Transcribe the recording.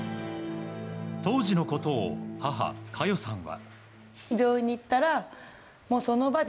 当時のことを母・佳代さんは。